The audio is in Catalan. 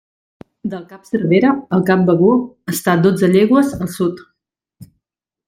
Del cap Cervera, el cap Begur està dotze llegües al sud.